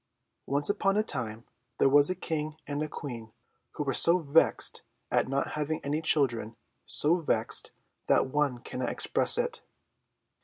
Once upon a time there was a King and a Queen, who were so vexed at not having any children so vexed, that one cannot express it.